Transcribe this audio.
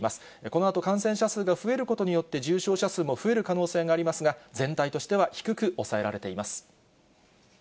このあと感染者数が増えることによって、重症者数も増える可能性がありますが、全体としては低く抑えられています。